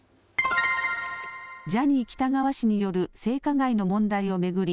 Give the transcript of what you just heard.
ジャニー喜多川氏による性加害の問題を巡り